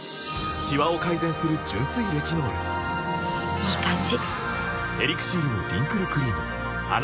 いい感じ！